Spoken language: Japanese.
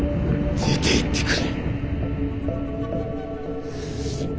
出ていってくれ。